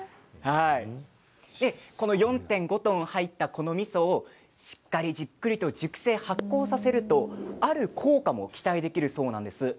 この４．５トン入ったこのみそをしっかりじっくりと熟成発酵させると、ある効果も期待できるそうなんです。